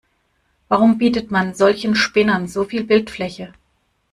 Warum bietet man solchen Spinnern so viel Bildfläche?